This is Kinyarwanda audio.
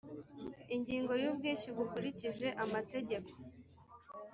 Ingingo y’Ubwishyu bukurikije amategeko